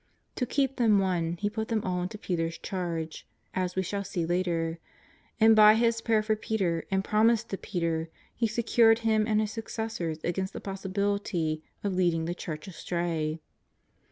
To keep them one. He put them all into Peter's charge, as we shall see later, and by His prayer for Peter and promises to Peter He secured him and his successors against the possibility of leading the Church astray.